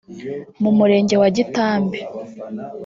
mu murenge wa Gitambi